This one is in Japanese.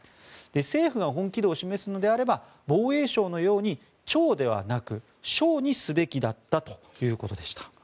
政府が本気度を示すのであれば防衛省のように庁ではなく省にすべきだったということでした。